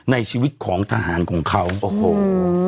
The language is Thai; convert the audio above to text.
ในชีวิตของทหารของเขาโอ้โห